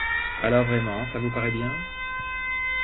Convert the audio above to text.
Alors, vraiment, ça vous paraît bien?